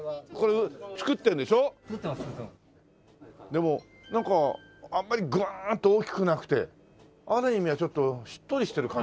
でもなんかあんまりぐわーっと大きくなくてある意味はちょっとしっとりしてる感じですか？